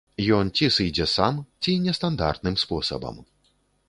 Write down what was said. Ён ці сыдзе сам, ці нестандартным спосабам.